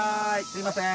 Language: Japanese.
すいません。